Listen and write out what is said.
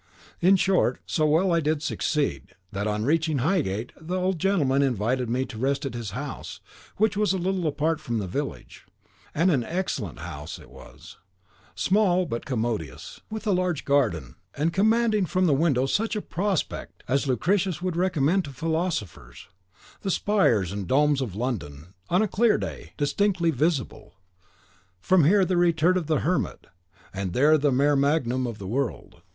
In short, so well did I succeed, that on reaching Highgate the old gentleman invited me to rest at his house, which was a little apart from the village; and an excellent house it was, small, but commodious, with a large garden, and commanding from the windows such a prospect as Lucretius would recommend to philosophers: the spires and domes of London, on a clear day, distinctly visible; here the Retreat of the Hermit, and there the Mare Magnum of the world.